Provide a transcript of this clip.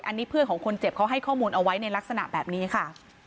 อันนี้เพื่อนของคนเจ็บเขาให้ข้อมูลเอาไว้ในลักษณะแบบนี้ค่ะ